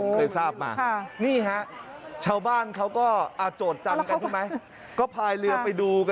ขอนไม้อะไรมันจะมุดน้ำหาไปได้